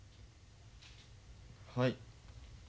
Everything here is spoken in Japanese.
はい。